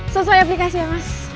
sesuai aplikasi ya mas